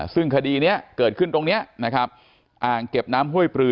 ซึ่งคดีนี้เกิดขึ้นตรงนี้นะครับอ่างเก็บน้ำห้วยปลือ